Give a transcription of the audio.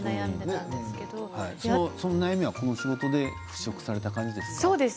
それがこの仕事で払拭された感じですか？